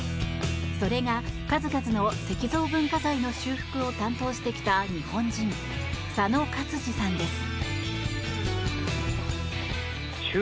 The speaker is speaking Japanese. それが、数々の石造文化財の修復を担当してきた日本人左野勝司さんです。